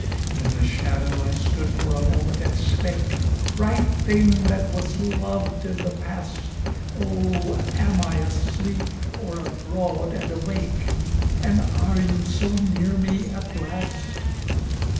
In the shadow I stood for a moment and spake "Bright thing that was loved in the past, Oh! am I asleep or abroad and awake? And are you so near me at last?